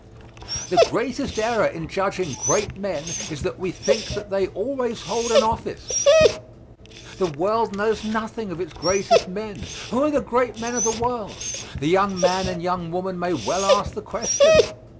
The greatest error in judging great men is that we think that they always hold an office. The world knows nothing of its greatest men. Who are the great men of the world? The young man and young woman may well ask the question.